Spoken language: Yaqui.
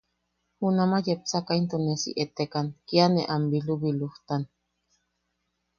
Junamaʼa yepsaka into ne si etekan, kia ne am bilubilujtan.